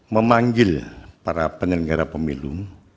memanggil para penyelenggara pemilu